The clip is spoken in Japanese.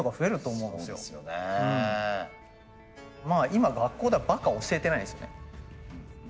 今学校ではばか教えてないんですよね。